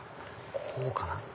こうかな？